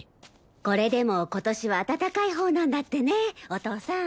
これでも今年は暖かいほうなんだってねお父さん。